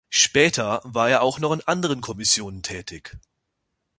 Später war er auch noch in anderen Kommissionen tätig.